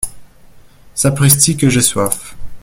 Sapristi, que j’ai soif !